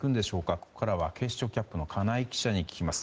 ここからは警視庁キャップの金井記者に聞きます。